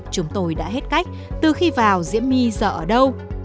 chúng tôi đã hết cách từ khi vào diễm my giờ ở đâu